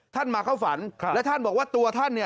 มาเข้าฝันและท่านบอกว่าตัวท่านเนี่ย